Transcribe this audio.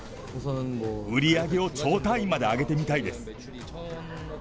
売り上げを兆単位まで上げてみたいです。